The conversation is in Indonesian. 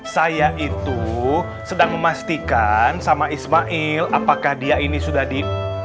saya itu sedang memastikan sama ismail apakah dia ini sudah di